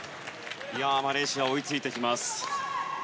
マレーシア追いついてきます。